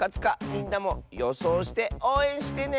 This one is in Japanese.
みんなもよそうしておうえんしてね！